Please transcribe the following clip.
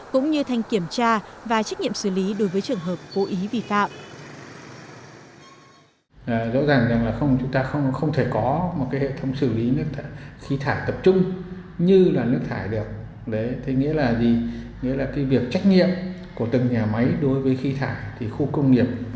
cũng như thành kiểm tra và trách nhiệm xử lý đối với trường hợp vô ý vi phạm